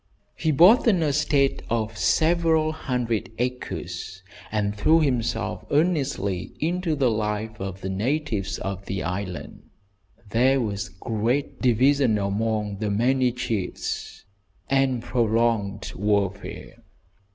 He bought an estate of several hundred acres, and threw himself earnestly into the life of the natives of the island. There was great division among the many chiefs, and prolonged warfare.